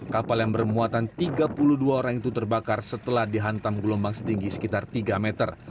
kapal yang bermuatan tiga puluh dua orang itu terbakar setelah dihantam gelombang setinggi sekitar tiga meter